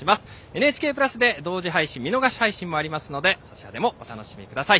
「ＮＨＫプラス」で同時配信、見逃し配信もありますのでそちらでもお楽しみください。